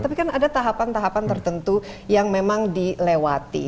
tapi kan ada tahapan tahapan tertentu yang memang dilewati